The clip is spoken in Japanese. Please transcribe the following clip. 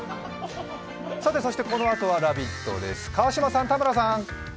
さて、このあとは「ラヴィット！」です。